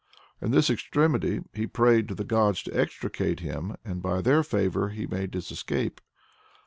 In this extremity he prayed to the gods to extricate him, and by their favor he made his escape."